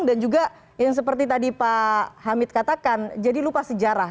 dan juga yang seperti tadi pak hamid katakan jadi lupa sejarah